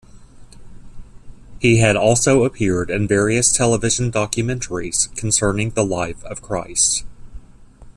He has also appeared in various television documentaries concerning the life of Christ.